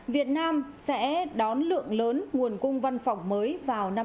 việt nam sẽ đón lượng lớn nguồn cung văn phòng mới vào năm hai nghìn hai mươi